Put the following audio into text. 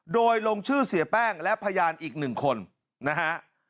โดยลงชื่อเสียแป้งและพยานอีกหนึ่งคนนะฮะ